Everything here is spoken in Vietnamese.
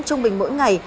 trung bình mỗi ngày